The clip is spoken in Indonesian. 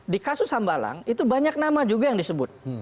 di kasus hambalang itu banyak nama juga yang disebut